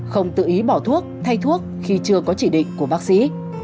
không tự ý bỏ thuốc thay thuốc khi chưa có chỉ định của bác sĩ